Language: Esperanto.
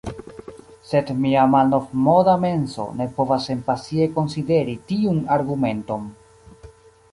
Sed mia malnovmoda menso ne povas senpasie konsideri tiun argumenton.